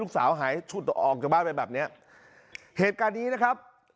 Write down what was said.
หายชุดออกจากบ้านไปแบบเนี้ยเหตุการณ์นี้นะครับ